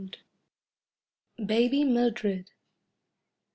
BABY MILDRED.